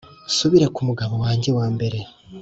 Nsubire ku mugabo wanjye wa mbere